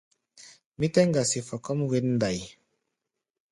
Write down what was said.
Mí tɛ́ ŋgasi fɔ kɔ́ʼm wěn ndai.